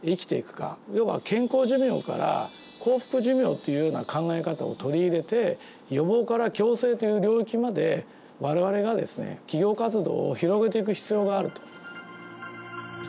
要はというような考え方を取り入れて予防から共生という領域まで我々がですね企業活動を広げていく必要があると。